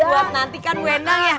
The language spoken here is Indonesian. buat nanti kan wendang ya